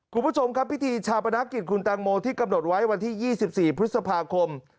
คุณผู้ชมครับพิธีชาปนกิจคุณแตงโมที่กำหนดไว้วันที่๒๔พฤษภาคม